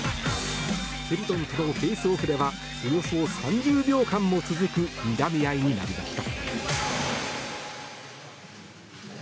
フルトンとのフェースオフではおよそ３０秒間も続くにらみ合いになりました。